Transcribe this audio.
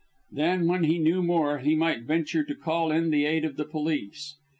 Then, when he knew more, he might venture to call in the aid of the police.